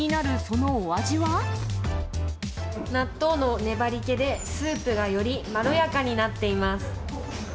納豆の粘りけで、スープがよりまろやかになっています。